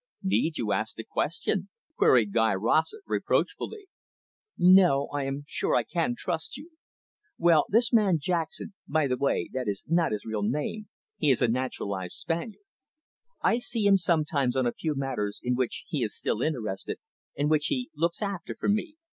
"Need you ask the question?" queried Guy Rossett reproachfully. "No, I am sure I can trust you. Well, this man Jackson; by the way, that is not his real name, he is a naturalised Spaniard. I see him sometimes on a few matters in which he is still interested, and which he looks after for me.